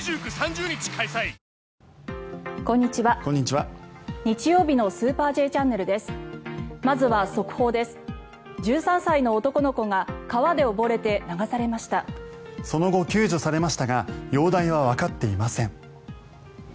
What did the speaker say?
その後、救助されましたが容体はわかっていません。